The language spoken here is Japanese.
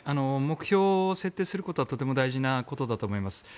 目標を設定することはとても大事なことだと思います。